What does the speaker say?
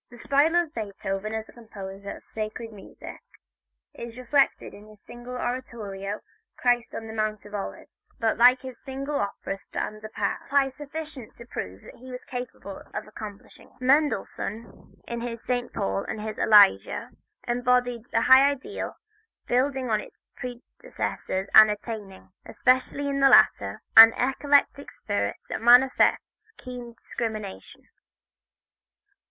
The style of Beethoven as a composer of sacred music is reflected in his single oratorio "Christ on the Mount of Olives," that like his single opera stands apart, amply sufficient to prove what he was capable of accomplishing. Mendelssohn, in his "St. Paul" and his "Elijah," embodied a high ideal, building on his predecessors and attaining, especially in the latter, an eclectic spirit that manifests keen discrimination.